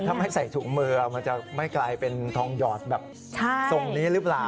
ถ้าไม่ใส่ถุงมือมันจะไม่กลายเป็นทองหยอดแบบทรงนี้หรือเปล่า